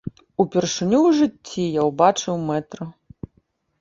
Упершыню ў жыцці я ўбачыў мэтра.